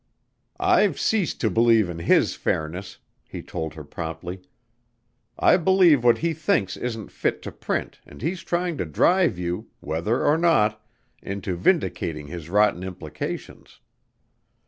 "I've ceased to believe in his fairness," he told her promptly. "I believe that what he thinks isn't fit to print and he's trying to drive you, whether or no, into vindicating his rotten implications."